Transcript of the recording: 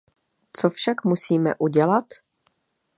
Co však musíme udělat?